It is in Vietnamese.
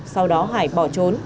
sau đó hải bỏ trốn